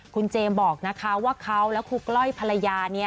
คุณเจมส์บอกนะคะว่าเขาและครูก้อยภรรยา